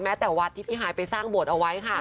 แม้แต่วัดที่พี่หายไปสร้างบทเอาไว้